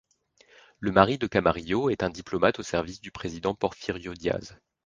Le mari de Camarillo est un diplomate au service du président Porfirio Díaz.